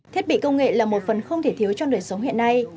thiết bị công nghệ là một phần không thể thiếu trong đời sống hiện nay